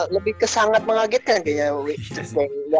lebih ke sangat mengagetkan kayaknya